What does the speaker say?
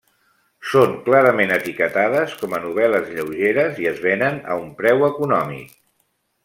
Són clarament etiquetades com a novel·les lleugeres i es venen a un preu econòmic.